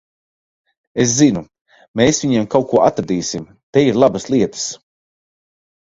Es zinu, mēs viņiem kaut ko atradīsim. Te ir labas lietas.